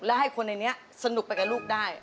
แล้วให้คนในนี้สนุกไปกับลูกได้